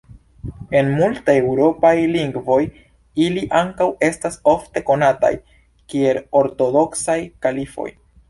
En multaj eŭropaj lingvoj ili ankaŭ estas ofte konataj kiel ortodoksaj kalifoj.